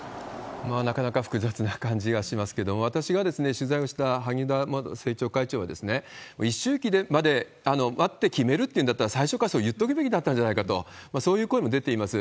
なかなか複雑な感じがしますけれども、私が取材をした萩生田政調会長は、一周忌まで待って決めるっていうんだったら、最初からそう言っとくべきだったと、そういう声も出ています。